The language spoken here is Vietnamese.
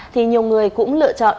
thì nhiều người cũng lựa chọn